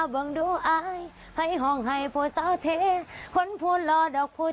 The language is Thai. เบิร์ดแก่วเบิร์ดแก่วเบิร์ดแก่วเบิร์ดแก่ว